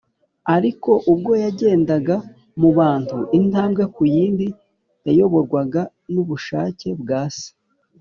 . Ariko ubwo yagendaga mu bantu, intambwe ku yindi, yayoborwaga n’ubushake bwa Se